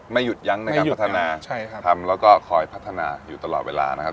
หยุดยั้งในการพัฒนาทำแล้วก็คอยพัฒนาอยู่ตลอดเวลานะครับ